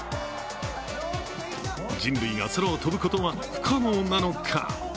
人類が空を飛ぶことは不可能なのか。